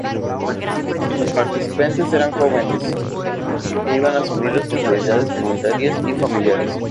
Los participantes eran jóvenes que iban a asumir responsabilidades comunitarias y familiares.